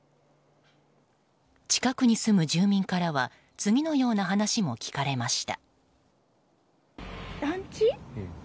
近くに住む住民からは次のような話も聞かれました。